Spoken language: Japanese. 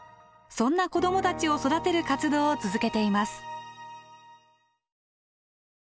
そんな子どもたちを育てる活動を続けています。